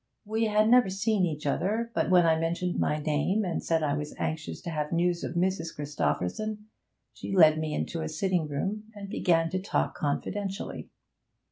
We had never seen each other, but when I mentioned my name and said I was anxious to have news of Mrs. Christopherson, she led me into a sitting room, and began to talk confidentially.